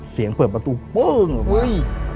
เสียงเปิดประตูปึ้งออกมา